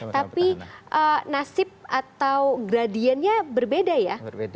tapi nasib atau gradiennya berbeda ya